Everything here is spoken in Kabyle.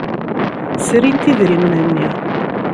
Srint idrimen-nni.